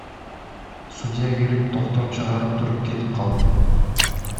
Судья келип, токтом чыгарып туруп кетип калды.